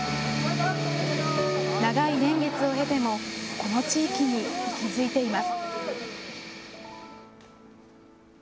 長い年月を経ても、この地域に息づいています。